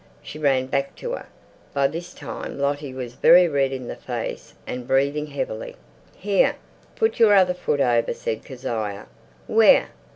She ran back to her. By this time Lottie was very red in the face and breathing heavily. "Here, put your other foot over," said Kezia. "Where?"